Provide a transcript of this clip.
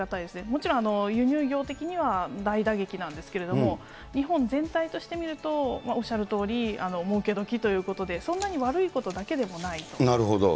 もちろん輸入業的には大打撃なんですけど、日本全体として見ると、おっしゃるとおりもうけどきということで、そんなに悪いことだけなるほど。